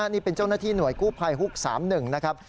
นี่เป็นเจ้าหน้าที่หน่วยกู้ภัยฮุก๓๑นะครับ